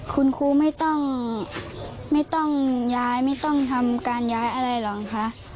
คุณครูไม่ต้องไม่ต้องย้ายไม่ต้องทำการย้ายอะไรหรอกคะ